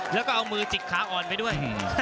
แล้วก็เอามือจิกขาอ่อนไปด้วย